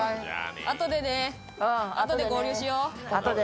あとでね、あとで合流しよ。